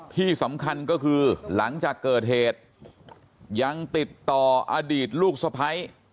ที่สำคัญก็คือหลังจากเกิดเหตุยังติดต่ออดีตลูกสะพ้าย